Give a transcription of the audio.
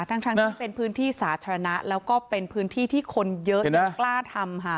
ทั้งที่เป็นพื้นที่สาธารณะแล้วก็เป็นพื้นที่ที่คนเยอะยังกล้าทำค่ะ